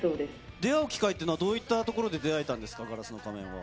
出会う機会というのはどういった機会で出会えたんですか、ガラスの仮面は。